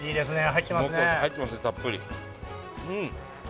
入ってますねたっぷり。